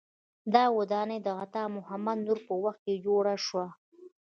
دا ودانۍ د عطا محمد نور په وخت کې جوړه شوه.